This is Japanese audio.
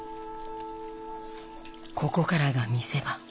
ここからが見せ場。